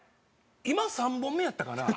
今３本目やったかな？